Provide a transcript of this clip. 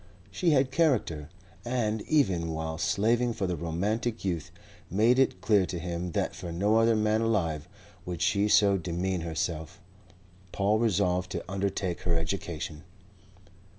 She had character, and, even while slaving for the romantic youth, made it clear to him that for no other man alive would she so demean herself. Paul resolved to undertake her education.